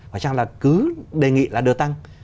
có chăng là cứ đề nghị là được tăng